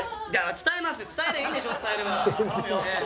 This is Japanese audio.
伝えりゃいいんでしょ伝えれば。